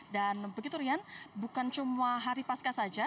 dan begitu rian bukan cuma hari pascah saja